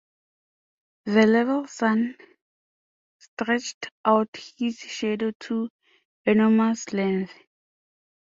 The level sun stretched out his shadow to enormous length.